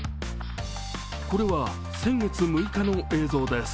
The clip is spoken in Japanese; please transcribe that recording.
これは先月６日の映像です。